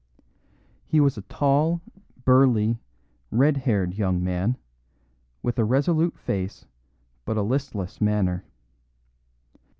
He was a tall, burly, red haired young man, with a resolute face but a listless manner.